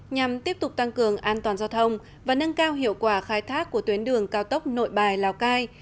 nhằm tiếp tục tăng cường an toàn giao thông và nâng cao hiệu quả khai thác của tuyến đường cao tốc nội bài lào cai